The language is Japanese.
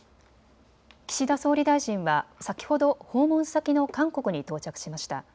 岸田総理大臣は、先ほど訪問先の韓国に到着しました。